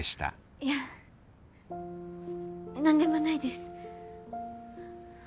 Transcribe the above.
いや何でもないです。